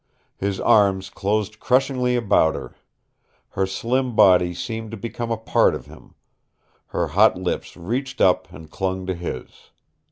His arms closed crushingly about her. Her slim body seemed to become a part of him. Her hot lips reached up and clung to his.